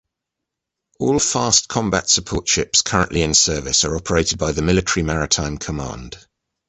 All fast combat support ships currently in service are operated by the Military Maritime Command.